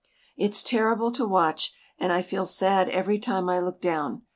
It's terrible to watch, and I feel sad every time I look down.